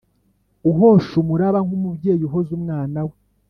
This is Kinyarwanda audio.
Uhosh’ umuraba nk’ umubyey’ uhoz’ umwana we